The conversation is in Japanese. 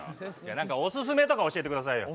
何かおすすめとか教えてくださいよ。